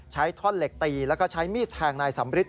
ท่อนเหล็กตีแล้วก็ใช้มีดแทงนายสำริท